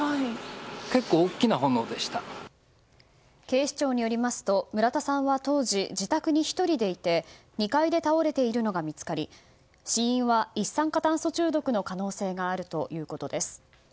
警視庁によりますと村田さんは当時自宅に１人でいて２階で倒れているのが見つかり死因は一酸化炭素中毒の可能性があるということです。